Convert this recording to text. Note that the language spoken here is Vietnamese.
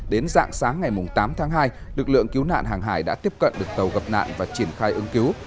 đến dạng sáng ngày tám tháng hai lực lượng cứu nạn hàng hải đã tiếp cận được tàu gặp nạn và triển khai ứng cứu